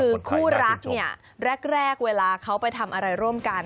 คือคู่รักเนี่ยแรกเวลาเขาไปทำอะไรร่วมกัน